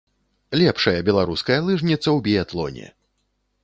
Лепшая беларуская лыжніца ў біятлоне!